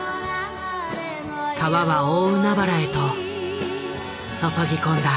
川は大海原へと注ぎ込んだ。